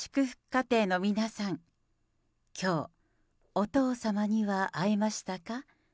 家庭の皆さん、きょう、お父様には会えましたか？